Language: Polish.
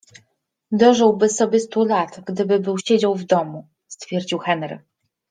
- Dożyłby sobie stu lat, gdyby był siedział w domu - stwierdził Henry.